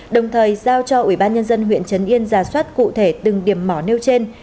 đồng thời giao cho ủy ban nhân dân huyện trấn yên giả soát cụ thể từng điểm mỏ nêu trên